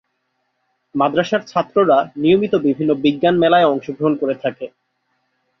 মাদ্রাসার ছাত্ররা নিয়মিত বিভিন্ন বিজ্ঞান মেলায় অংশগ্রহণ করে থাকে।